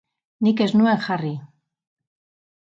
Nik ez nuen jarri.